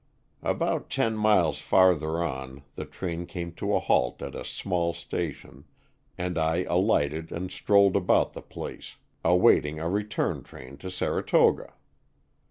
About ten miles farther on the train came to a halt at a small station, and I alighted and strolled about the place, awaiting a return train to Saratoga.